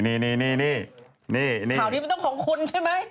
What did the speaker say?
นี่ข่าวนี้มันต้องของคุณใช่ไหม